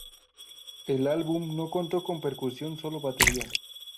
El álbum no contó con percusión solo batería.